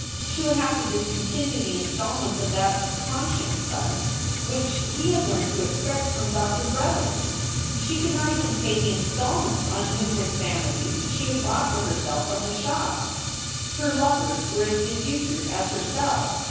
She would have to discontinue the installments of that "con science fund" which he had learned to expect from Doctor Bretherick. She could not even pay the installments on numerous vanities she had bought for herself from the shops. Her lovers were as defutured as herself.